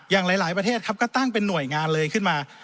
อย่างหลายประเทศครับก็ตั้งเป็นหน่วยงานเลยขึ้นมา